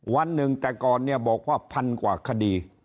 วันหนึ่งแต่ก่อนเนี่ยบอกว่าพันกว่าคดี